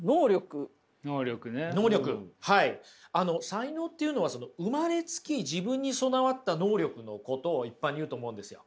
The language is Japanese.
才能っていうのはその生まれつき自分に備わった能力のことを一般に言うと思うんですよ。